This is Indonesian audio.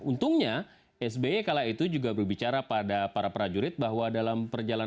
untungnya sby kala itu juga berbicara pada para prajurit bahwa dalam perjalanan